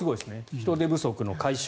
人手不足の解消